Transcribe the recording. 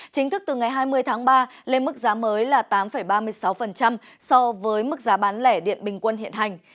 chính thức từ ngày hai mươi tháng ba lên mức giá mới là tám ba mươi sáu so với mức giá bán lẻ điện bình quân hiện hành